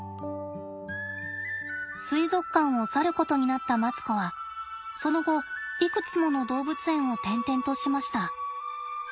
水族館を去ることになったマツコはその後いくつもの動物園を転々としました。